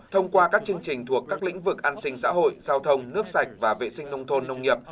thông qua các chương trình thuộc các lĩnh vực an sinh xã hội giao thông nước sạch và vệ sinh nông thôn nông nghiệp